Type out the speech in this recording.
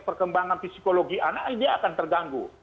perkembangan psikologi anak dia akan terganggu